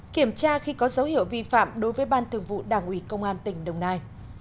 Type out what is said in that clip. một kiểm tra khi có dấu hiệu vi phạm đối với ban thường vụ đảng ủy công an tỉnh đồng nai